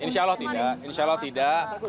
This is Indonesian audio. insya allah tidak insya allah tidak